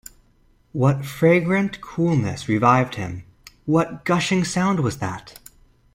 What fragrant coolness revived him; what gushing sound was that?